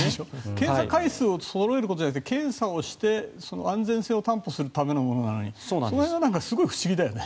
検査回数をそろえることじゃなくて検査をして、安全性を担保するためのものなのにその辺が不思議だよね。